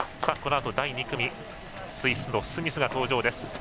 このあと第２組スイスのスミスが登場です。